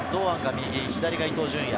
右が伊東純也。